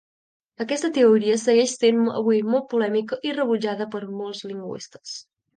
Aquesta teoria segueix sent avui molt polèmica i rebutjada per molts de lingüistes.